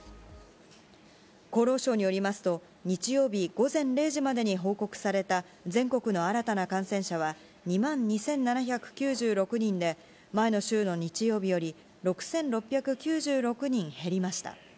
厚労省によりますと、日曜日午前０時までに報告された全国の新たな感染者は２万２７９６人で、前の週の日曜日より６６９６人減りました。